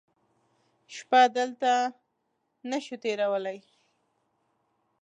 شپه دلته نه شو تېرولی.